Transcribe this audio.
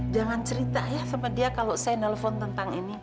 jangan cerita ya sama dia kalau saya nelfon tentang ini